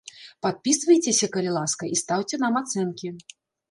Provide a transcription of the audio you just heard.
Падпісвайцеся, калі ласка, і стаўце нам ацэнкі!